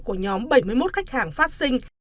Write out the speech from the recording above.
của nhóm bảy mươi một khách hàng phát sinh